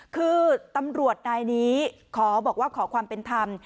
คือตำรวจนายนี้ขอบอกว่าขอความเป็นธรรม